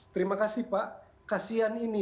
terima kasih pak kasian ini